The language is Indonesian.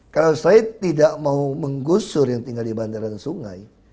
kalau saya tidak mau menggusur yang tinggal di bandara dan sungai